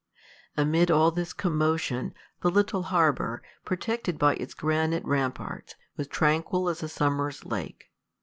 Amid all this commotion, the little harbor, protected by its granite ramparts, was tranquil as a summer's lake.